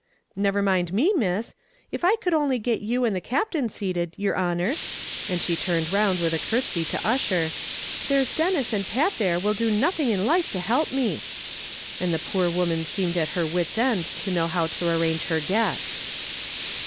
"Never mind me, Miss, if I could only get you and the Captain seated; yer honer," and she turned round with a curtsey to Ussher, "there's Denis and Pat there will do nothing in life to help me!" and the poor woman seemed at her wit's end to know how to arrange her guests.